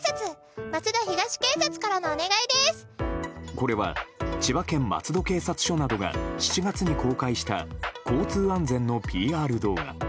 これは千葉県松戸警察署などが７月に公開した交通安全のＰＲ動画。